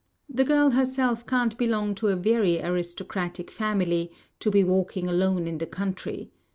The girl herself can't belong to a very aristocratic family to be walking alone in the country.